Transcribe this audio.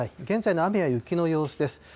現在の雨や雪の様子です。